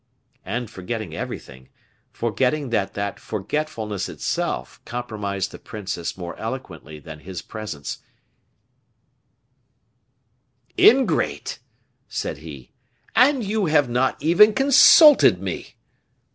And forgetting everything, forgetting that that forgetfulness itself compromised the princess more eloquently than his presence, "Ingrate!" said he, "and you have not even consulted me!"